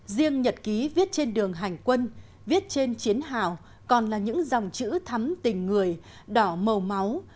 riêng nhật ký viết trên đường hành quân viết trên chiến hào còn là những dòng chữ thắm tình người đỏ màu máu